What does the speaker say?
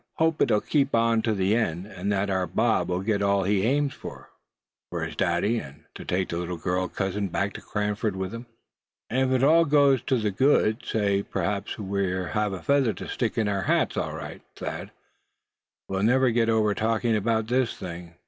Hope it'll keep on to the end; and that our Bob will get all he aims for, find his daddy, and take the little girl cousin back to Cranford with him." "And if it all goes to the good, say, p'raps we won't have a feather to stick in our hats, all right, Thad! We'll never get over talking about this thing.